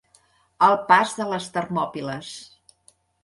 El pas de les Termòpiles.